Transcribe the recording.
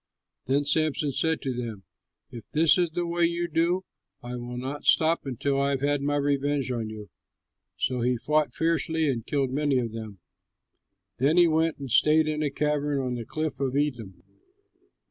Then Samson said to them, "If this is the way you do, I will not stop until I have had my revenge on you!" So he fought fiercely and killed many of them; then he went and stayed in a cavern in the cliff of Etam.